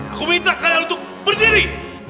aku minta kalian untuk berdiri